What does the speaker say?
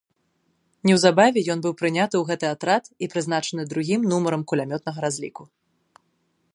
Неўзабаве ён быў прыняты ў гэты атрад і прызначаны другім нумарам кулямётнага разліку.